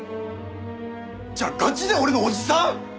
じゃあガチで俺のおじさん！？